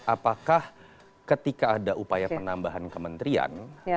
apakah ketika ada upaya penambahan kementerian